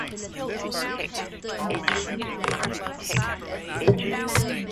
A happy ending only requires that the main characters be all right.